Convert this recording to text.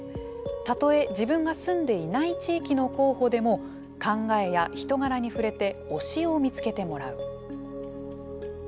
たとえ自分が住んでいない地域の候補でも考えや人柄に触れて「推し」を見つけてもらう。